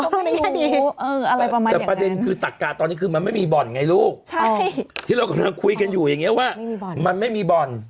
แต่ประเด็นคือตักกะตอนนี้มันไม่มีบ่อนไงลูกที่เรากำลังคุยกันอยู่มันไม่มีบ่อน